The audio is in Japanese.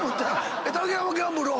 竹山ギャンブルは？